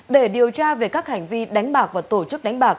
để điều tra về các hành vi đánh bạc và tổ chức đánh bạc